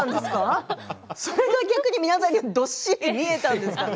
それが皆さんにはどっしりと見えたんですかね